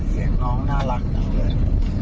เสียงน้องน่ารักจังเลย